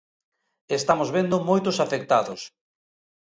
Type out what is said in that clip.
E estamos vendo moitos afectados.